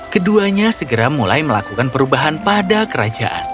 keduanya segera mulai melakukan perubahan pada kerajaan